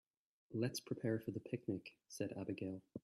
"Let's prepare for the picnic!", said Abigail.